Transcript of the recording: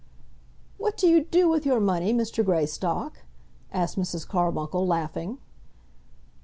"What do you do with your money, Mr. Greystock?" asked Mrs. Carbuncle, laughing.